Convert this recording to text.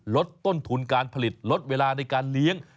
ลดต้นทุนการผลิตลดเวลาในการเลี้ยง